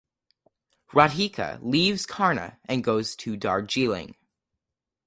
Radhika leaves Karna and goes to Darjeeling.